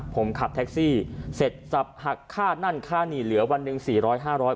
ผมขับแท็กซี่เสร็จสับหักค่านั่นค่านี่เหลือวันหนึ่งสี่ร้อยห้าร้อย